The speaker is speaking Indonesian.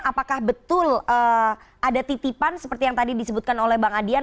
apakah betul ada titipan seperti yang tadi disebutkan oleh bang adian